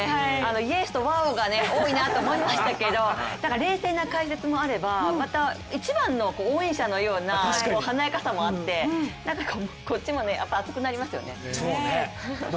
イエスとＷＯＷが多いなと思いましたけどなんか冷静な解説もあればまた一番の応援者のような華やかさもあってこっちも熱くなりましたよね。